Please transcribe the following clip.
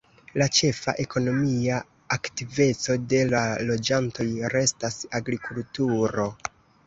La ĉefa ekonomia aktiveco de la loĝantoj restas agrikulturo.